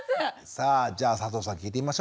さあじゃあ佐藤さんに聞いてみましょうか。